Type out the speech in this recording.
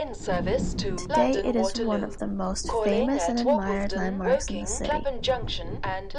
Today it is one of the most famous and admired landmarks in the city.